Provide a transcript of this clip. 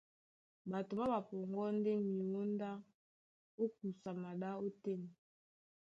Ɓato ɓá mapɔŋgɔ́ ndé myǒndá ó kusa maɗá ótên.